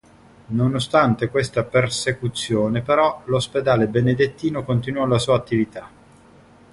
Nonostante questa persecuzione, però, l'ospedale benedettino continuò la sua attività.